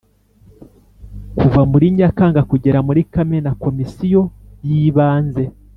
Kuva muri Nyakanga kugera muri Kamena Komisiyo yibanze.